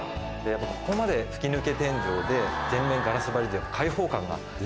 やっぱここまで吹き抜け天井で全面ガラス張りって。